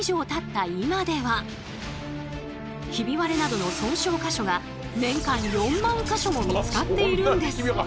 ヒビ割れなどの損傷箇所が年間４万か所も見つかっているんです。